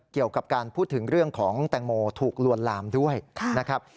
เกี่ยวกับการพูดถึงเรื่องของแตงโมถูกลวนลามด้วยนะครับ